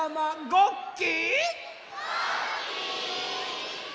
ごっき！